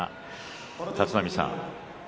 立浪さん